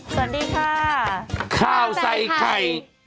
สวัสดีค่ะข้าวใส่ไข่